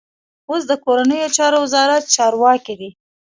اوس د کورنیو چارو وزارت چارواکی دی.